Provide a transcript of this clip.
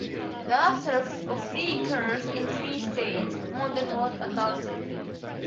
Thereafter, a "free church in free state" model was adopted.